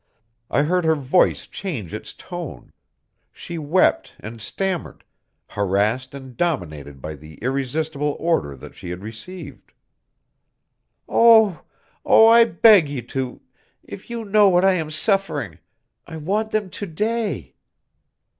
I heard her voice change its tone; she wept and stammered, harassed and dominated by the irresistible order that she had received. "Oh! oh! I beg you to ... if you knew what I am suffering.... I want them to day."